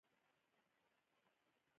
لرګي د ځینو کښتو لپاره اړین مواد دي.